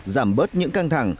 giảm bớt những căng thẳng